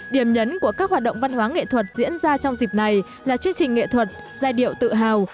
điểm nhấn của các hoạt động văn hóa nghệ thuật diễn ra trong dịp này là chương trình nghệ thuật giai điệu tự hào